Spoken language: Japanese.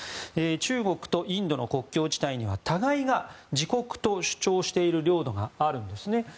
中国とインドの国境地帯には互いが自国と主張している領土があるんですね。